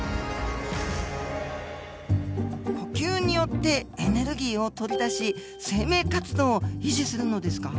呼吸によってエネルギーを取り出し生命活動を維持するのですか？